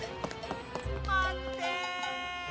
まって！